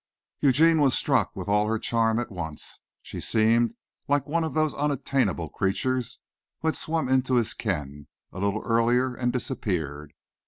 Eugene was struck with all her charm at once. She seemed like one of those unattainable creatures who had swum into his ken a little earlier and disappeared.